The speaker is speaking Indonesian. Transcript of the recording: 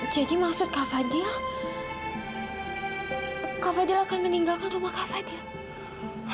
jadi maksud kak fadiyah kak fadiyah akan meninggalkan rumah kak fadiyah